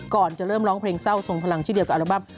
ก่อนจะเริ่มร้องเพลงเศร้าทรงพลังที่เดียวกับอัลบั้ม